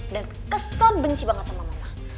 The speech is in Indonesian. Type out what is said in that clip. dan kesel benci banget sama mama